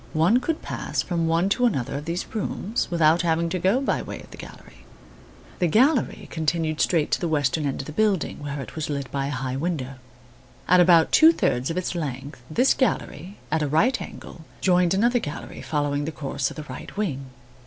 One could pass from one to another of these rooms without having to go by way of the gallery. The gallery continued straight to the western end of the building, where it was lit by a high window (window 2 on the plan). At about two thirds of its length this gallery, at a right angle, joined another gallery following the course of the right wing.